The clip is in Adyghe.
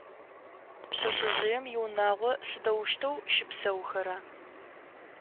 Пшъэшъэжъыем иунагъо сыдэущтэу щыпсэухэра?